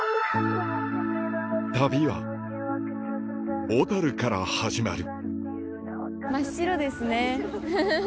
旅は小樽から始まるフフフフ。